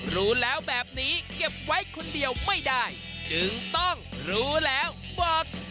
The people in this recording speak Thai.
รู้แล้วแบบนี้เก็บไว้คนเดียวไม่ได้จึงต้องรู้แล้วบอก